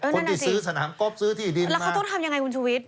คนที่ซื้อสนามก๊อบซื้อที่ดินแล้วเขาต้องทำยังไงคุณชุวิต